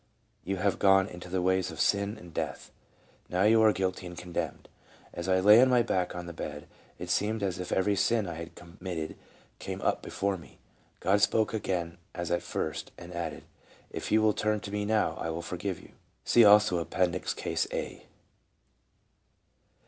You have gone into the ways of sin and death. Now you are guilty and condemned.' And as I lay on my back on the bed, it seemed as if every sin I had com mitted came up before me. God spoke again as at first and added :' If you will turn to Me now, I will forgive you.' " (See also appendix, case of A.)